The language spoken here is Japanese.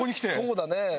そうだね。